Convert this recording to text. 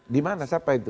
di mana siapa itu